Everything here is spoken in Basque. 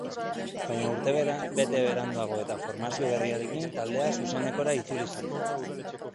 Baina urtebete beranduago eta formazio berriarekin, taldea zuzenekora itzuli zen.